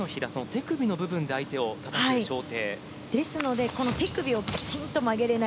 手首の部分で相手をたたく掌底。